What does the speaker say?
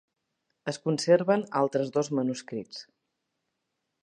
Es conserven altres dos manuscrits.